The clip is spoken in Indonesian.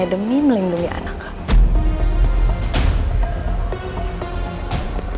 demi melindungi anak kamu